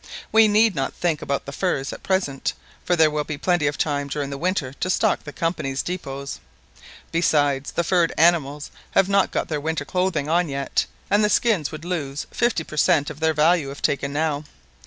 We need not think about the furs at present, for there will be plenty of time during the winter to stock the Company's depôts. Besides, the furred animals have not got their winter clothing on yet, and the skins would lose fifty per cent. of their value if taken now.